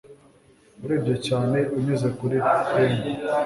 urebye cyane unyuze kuri pane